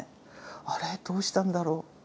あれどうしたんだろう？